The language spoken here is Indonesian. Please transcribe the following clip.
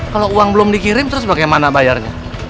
kalau uang belum dikirim terus bagaimana bayarnya